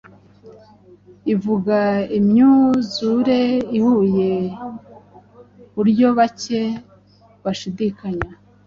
ivuga imyuzure ihuye buryo bake bashidikanya